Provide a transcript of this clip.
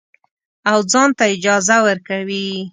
او ځان ته اجازه ورکوي.